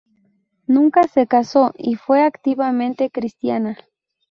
Nunca se casó, y fue activamente cristiana.